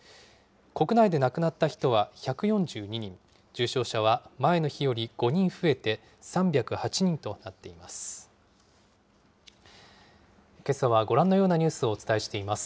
国内で亡くなった人は１４２人、重症者は前の日より５人増えて、３０８人となっています。